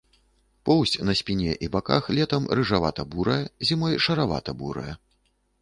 Поўсць на спіне і баках летам рыжавата-бурая, зімой шаравата-бурая.